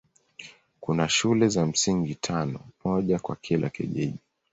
Kuna shule za msingi tano, moja kwa kila kijiji.